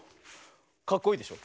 かっこいいでしょ。